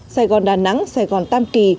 sài gòn đà nẵng sài gòn tam kỳ